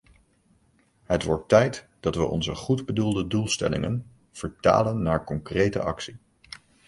Het wordt tijd dat we onze goedbedoelde doelstellingen vertalen naar concrete actie.